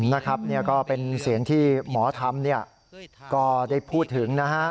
นะครับนี่ก็เป็นเสียงที่หมอทำเนี่ยก็ได้พูดถึงนะฮะ